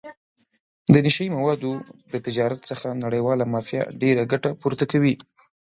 د نشه یي موادو د تجارت څخه نړیواله مافیا ډېره ګټه پورته کوي.